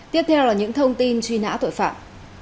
tiếp theo là những thông tin truy nã tội phạm